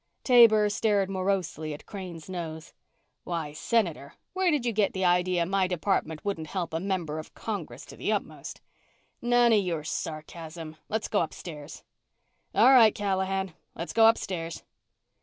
Taber stared morosely at Crane's nose. "Why, Senator, where did you get the idea my department wouldn't help a member of Congress to the utmost?" "None of your sarcasm. Let's go upstairs." "All right, Callahan. Let's go upstairs."